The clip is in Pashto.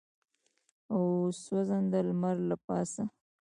او سوځنده لمر له پاسه.